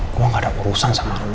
gua gak ada urusan sama arun